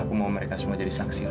aku mau mereka semua jadi saksi lah